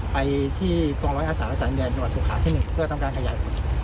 ไฟที่บลงไว้อัศวรษันใยบรรทสุขาที่หนึ่งเพื่อทำการขยาย